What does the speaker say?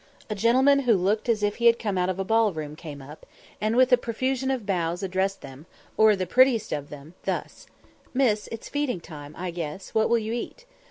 A gentleman who looked as if he had come out of a ball room came up, and with a profusion of bows addressed them, or the prettiest of them, thus: "Miss, it's feeding time, I guess; what will you eat?"